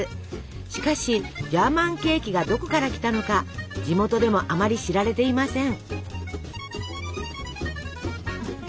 しかし「ジャーマンケーキ」がどこから来たのか地元でもあまり知られていません。